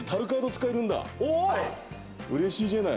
うれしいじゃない。